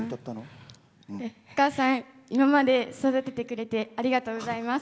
お母さん、今まで育ててくれてありがとうございます。